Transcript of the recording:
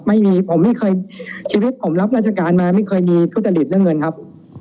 ฉีกอยู่เมื่อราชกาลไม่เคยมีผู้จดหลีกเรื่องเงินครับ